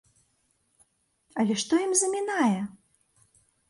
Але што ім замінае?